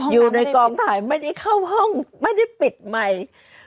อยู่ในกองถ่ายไม่ได้เข้าห้องไม่ได้ปิดใหม่